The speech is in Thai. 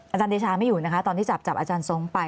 อาจารย์เดชาไม่อยู่นะคะตอนที่จับจับอาจารย์ทรงไป